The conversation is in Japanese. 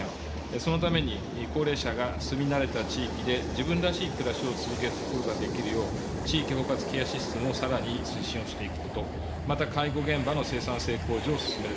そのために高齢者が住み慣れた地域で自分らしい暮らしを続けることができるよう、地域包括ケアシステムをさらに推進をしていくこと、また介護現場の生産性向上を進める。